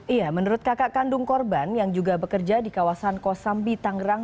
iya menurut kakak kandung korban yang juga bekerja di kawasan kosambi tangerang